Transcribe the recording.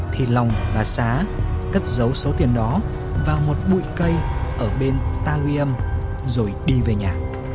thì lòng và xá cất dấu số tiền đó vào một bụi cây ở bên talium rồi đi về nhà